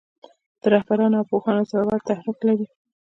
د رهبرانو او پوهانو زورور تحرک لري.